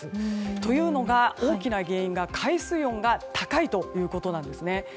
というのが、大きな原因が海水温が高いということです。